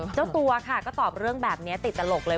เจ้าตัวค่ะก็ตอบเรื่องแบบนี้ติดตลกเลย